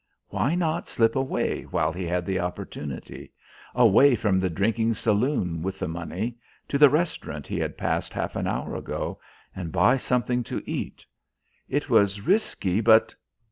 Why not slip away while he had the opportunity away from the drinking saloon with the money, to the restaurant he had passed half an hour ago, and buy something to eat? It was risky, but....